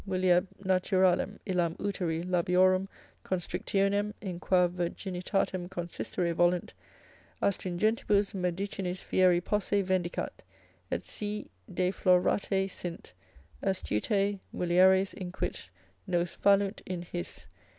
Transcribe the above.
muliebr. naturalem illam uteri labiorum constrictionem, in qua virginitatem consistere volunt, astringentibus medicinis fieri posse vendicat, et si defloratae sint, astutae mulieres (inquit) nos fallunt in his.